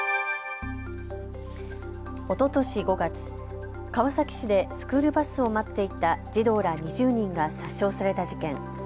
おととし５月、川崎市でスクールバスを待っていた児童ら２０人が殺傷された事件。